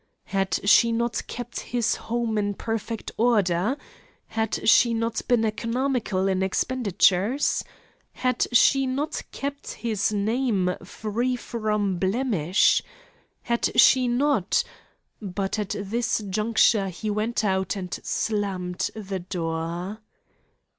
Had she not kept his home in perfect order? Had she not been economical in expenditures? Had she not kept his name free from blemish? Had she not but at this juncture he went out and slammed the door.